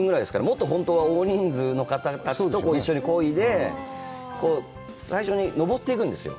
もっと本当は大人数の方たちと一緒にこいで、最初に上っていくんですよ。